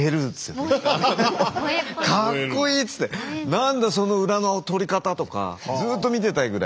何だその裏の取り方とかずっと見てたいぐらい。